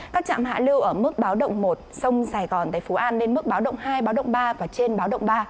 các trạm hạ lưu ở mức báo động một sông sài gòn tại phú an lên mức báo động hai báo động ba và trên báo động ba